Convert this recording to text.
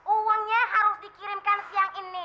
uangnya harus dikirimkan siang ini